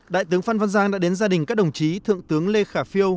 đại tướng phan văn giang đã đến gia đình các đồng chí thượng tướng lê khả phiêu